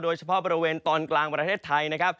โดยเฉพาะบริเวณตอนกลางประเทศไทยนะครับ